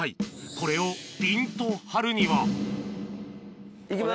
これをピンと張るにはいきます。